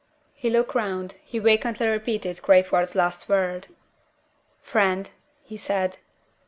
He look round; he vacantly repeated Crayford's last word. "Friend?" he said.